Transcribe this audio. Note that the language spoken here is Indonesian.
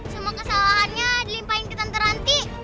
semua kesalahannya dilimpahin ke tante ranti